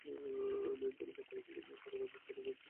মেয়ের জন্য পাত্র দেখিতে হারু বাজিতপুরে গিয়াছিল এটা শশী জানিত।